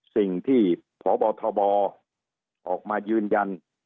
สิ่งที่พบทบออกมายืนยัน